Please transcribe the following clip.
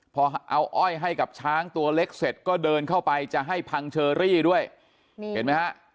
พอเอาอ้อยให้กับช้างตัวเล็กเสร็จก็เดินเข้าไปจะให้พังเชอรี่ด้วยนี่เห็นไหมฮะ